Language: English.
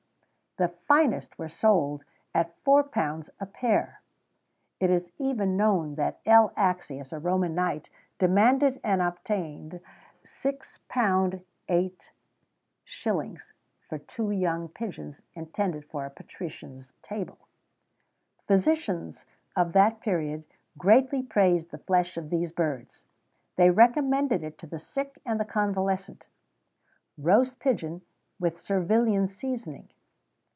the finest were sold at £4 a pair. It is even known that L. Axius, a Roman knight, demanded and obtained £6 8_s._ for two young pigeons intended for a patrician's table.[XVII 95] Physicians of that period greatly praised the flesh of these birds; they recommended it to the sick and convalescent.[XVII 96] _Roast Pigeon, with Servilian Seasoning.